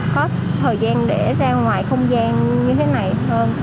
có thời gian để ra ngoài không gian như thế này hơn